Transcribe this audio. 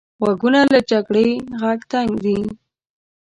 غوږونه له جګړې غږ تنګ دي